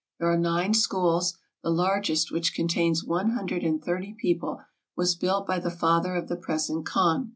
There are nine schools; the largest, which contains one hundred and thirty pupils, was built by the father of the present khan.